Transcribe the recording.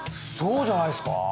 そうじゃないっすか？